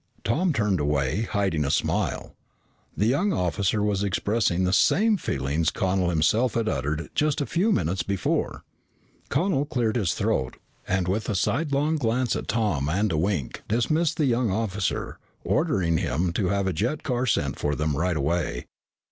Tom turned away, hiding a smile. The young officer was expressing the same feelings Connel himself had uttered just a few minutes before. Connel cleared his throat, and with a sidelong glance at Tom and a wink, dismissed the young officer, ordering him to have a jet car sent for them right away.